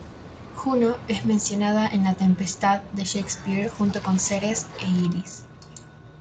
Juno es mencionada en "La Tempestad" de Shakespeare junto con Ceres e Iris.